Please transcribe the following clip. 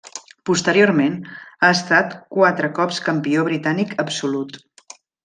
Posteriorment, ha estat quatre cops Campió britànic absolut.